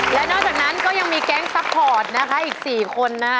และนอกจากนั้นก็ยังมีแก๊งซัพพอร์ตนะคะอีก๔คนนะ